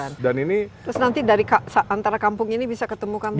terus nanti antara kampung ini bisa ketemukan kampung ini